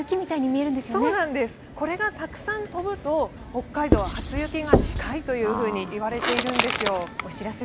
これがたくさん飛ぶと、北海道は初雪が近いと言われているんですよ。